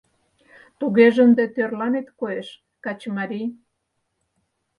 Тугеже ынде тӧрланет коеш, качымарий.